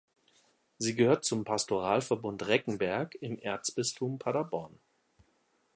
Sie gehört zum Pastoralverbund Reckenberg im Erzbistum Paderborn.